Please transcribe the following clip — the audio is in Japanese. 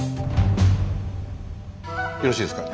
よろしいですか？